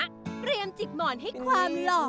เตรียมจิกหมอนให้ความหล่อ